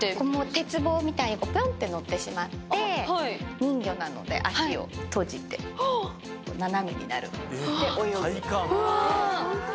鉄棒みたいにぴょんって乗ってしまって人魚なので足を閉じて斜めになるで。